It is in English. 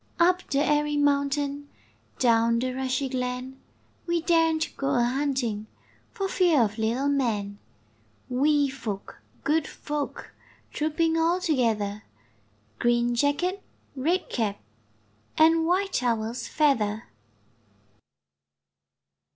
Up the airy mountain, Down the rushy glen, We daren't go a hunting For fear of little men; 164 IfifflfefSi ' RAINBOW GOLD Wee folk, good folk, Trooping all together; Green jacket, red cap, And white owl's feather.